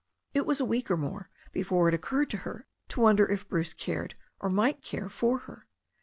It was a week or more before it occurred to her to won der if Bruce cared, or might care for her.